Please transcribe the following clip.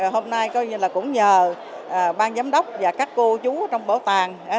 hôm nay cũng nhờ ban giám đốc và các cô chú trong bảo tàng